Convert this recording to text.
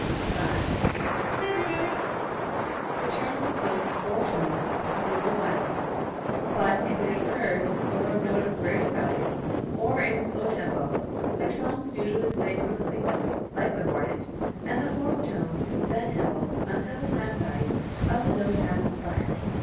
45) the turn consists of four tones of equal value; but if it occurs over a note of greater value, or in a slow tempo, the tones are usually played quickly (like the mordent), and the fourth tone is then held until the time value of the note has expired.